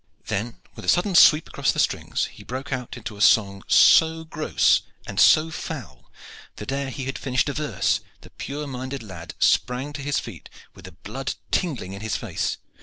Then, with a sudden sweep across the strings, he broke out into a song so gross and so foul that ere he had finished a verse the pure minded lad sprang to his feet with the blood tingling in his face.